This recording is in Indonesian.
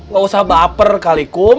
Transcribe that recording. gak usah baper kali kum